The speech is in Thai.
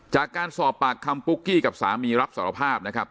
จากการสอบปากคำปุ๊กกี้กับสามีรับสารภาพนะครับ